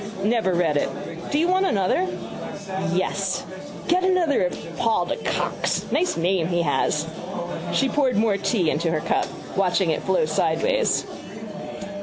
—Never read it. Do you want another? —Yes. Get another of Paul de Kock's. Nice name he has. She poured more tea into her cup, watching it flow sideways.